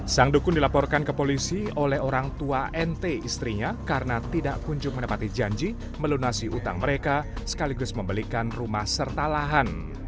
sang dukun dilaporkan ke polisi oleh orang tua nt istrinya karena tidak kunjung menepati janji melunasi utang mereka sekaligus membelikan rumah serta lahan